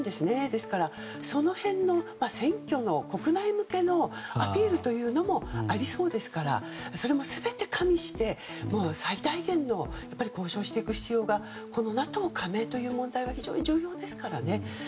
ですから、その辺の選挙の国内向けのアピールというのもありそうでそれも全て加味して最大限の交渉をしていく必要がＮＡＴＯ加盟という問題では非常に重要ですからね。